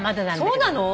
そうなの！？